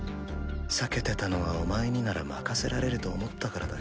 避けてたのはお前になら任せられると思ったからだよ。